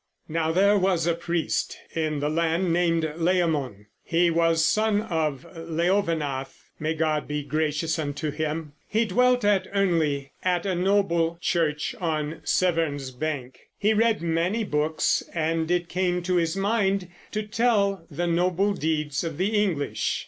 Now there was a priest in the land named Layamon. He was son of Leovenath may God be gracious unto him. He dwelt at Ernley, at a noble church on Severn's bank. He read many books, and it came to his mind to tell the noble deeds of the English.